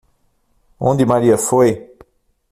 Onde Maria foi?